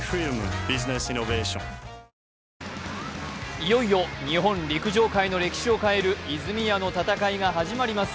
いよいよ日本陸上界の歴史を代える泉谷の戦いが始まります。